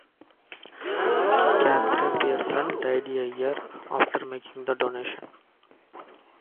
Catherine Pearson died a year after making the donation.